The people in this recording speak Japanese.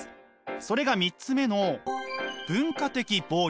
それが３つ目の文化的暴力。